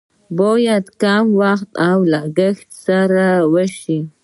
باید په کم وخت او لګښت سره وشي.